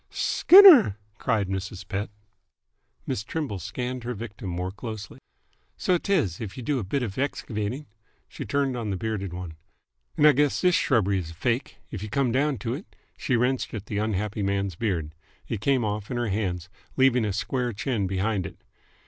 "Skinner!" cried Mrs. Pett. Miss Trimble scanned her victim more closely. "So 't is, if y' do a bit 'f excavating." She turned on the bearded one. "'nd I guess all this shrubbery is fake, 'f you come down to it!" She wrenched at the unhappy man's beard. It came off in her hands, leaving a square chin behind it.